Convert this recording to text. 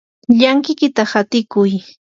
llankikiyta hatikuy.